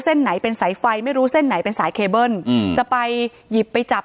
เส้นไหนเป็นสายไฟไม่รู้เส้นไหนเป็นสายเคเบิ้ลอืมจะไปหยิบไปจับ